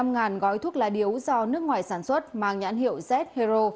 một mươi ba năm ngàn gói thuốc lá điếu do nước ngoài sản xuất mang nhãn hiệu z hero